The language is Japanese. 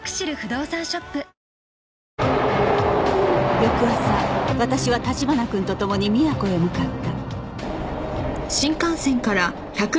翌朝私は立花君とともに宮古へ向かった